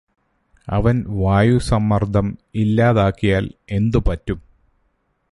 അവന് വായുസമ്മര്ദ്ദം ഇല്ലാതാക്കിയാല് എന്തുപറ്റും